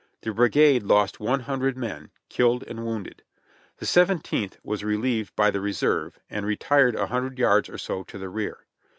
The brigade lost one hundred men, killed and wounded. The Seventeenth was relieved by the reserve, and retired a hundred yards or so to the rear.